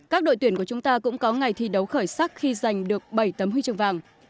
các đội tuyển của chúng ta cũng có ngày thi đấu khởi sắc khi giành được bảy tấm huy chương vàng